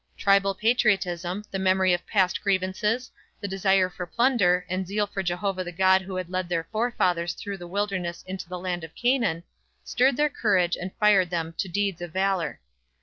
Tribal patriotism, the memory of past grievances, the desire for plunder, and zeal for Jehovah the God who had led their forefathers through the wilderness into the land of Canaan, stirred their courage and fired them to deeds of valor.